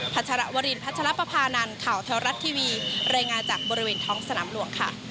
พัชรวรินพัชรประพานานข่าวเทวรัตน์ทีวีเรงาจากบริวินท้องสนามหลวงค่ะ